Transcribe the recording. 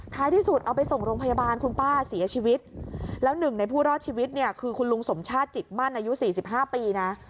ที่สุดเอาไปส่งโรงพยาบาลคุณป้าเสียชีวิตแล้วหนึ่งในผู้รอดชีวิตเนี่ยคือคุณลุงสมชาติจิตมั่นอายุ๔๕ปีนะ